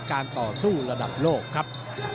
การต่อสู้ระดับโลกครับ